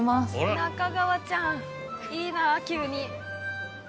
中川ちゃんいいな急に。